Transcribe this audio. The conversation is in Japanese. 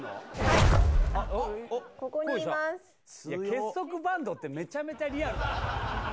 いや結束バンドってめちゃめちゃリアルだな・